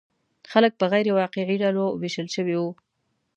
خلک په غیر واقعي ډلو ویشل شوي وو.